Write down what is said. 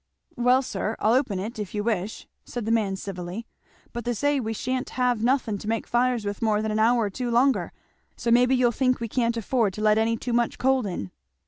"Well, sir, I'll open it if you wish it," said the man civilly, "but they say we sha'n't have nothing to make fires with more than an hour or two longer; so maybe you'll think we can't afford to let any too much cold in."